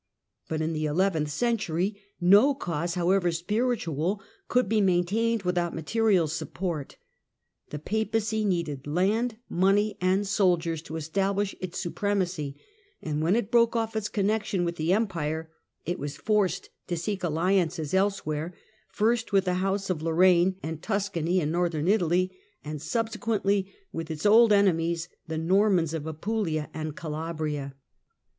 But in the eleventh century, no cause, liowever spiritual, could be maintained without material support. The Papacy needed land, money and soldiers to establish its supremacy, and when it broke off its connexion with the Empire, it was forced to seek alliances elsewhere, first with the house of Lorraine and Tuscany in northern Italy, and subsequently with its old enemies, the Normans of Apulia and Calabria.